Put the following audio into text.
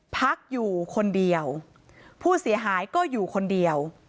พักอยู่คนเดียวผู้เสียหายก็อยู่คนเดียว